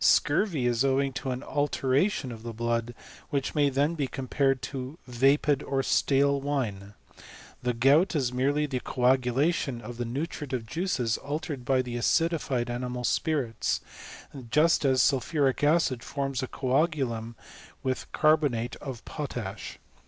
Scurvy is owing to an alteration of the blood, which may then be compared to vapid or stale wine. The gout is merely the coagulation of the nutritive juices altered by the acidified animal spirits ; just as sulphuric acid forms a coagulum with carbonate of potash.